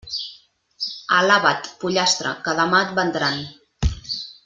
Alaba't, pollastre, que demà et vendran.